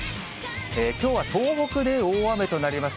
きょうは東北で大雨となります。